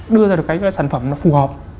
đưa ra được cái sản phẩm nó phù hợp